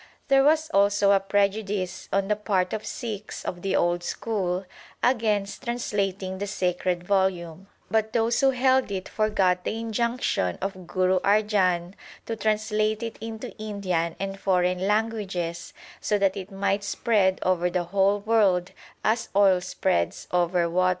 There was also a prejudice on the part of Sikhs of the old school against trans lating the sacred volume, but those who held it forgot the injunction of Guru Arjan to translate it into Indian and foreign languages so that it might spread over the whole world as oil spreads over water.